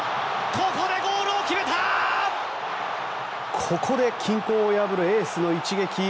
ここで均衡を破るエースの一撃。